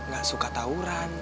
gak suka tawuran